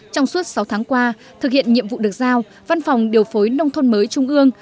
trong suốt sáu tháng qua thực hiện nhiệm vụ được giao văn phòng điều phối nông thôn mới trung ương